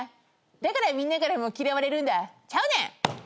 「だからみんなからも嫌われるんだ」ちゃうねん。